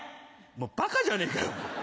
もうバカじゃねえかよお前。